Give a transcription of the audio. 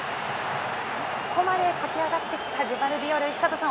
ここまでかけ上がってきたグバルディオル寿人さん